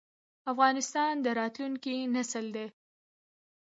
افغانستان د راتلونکي نسل دی؟